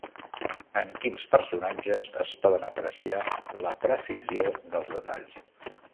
En quins personatges es poden apreciar la precisió dels detalls?